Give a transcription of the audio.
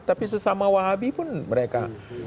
tapi sesama wahabi pun mereka